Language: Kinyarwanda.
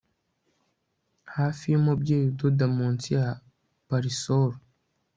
hafi yumubyeyi udoda munsi ya parasol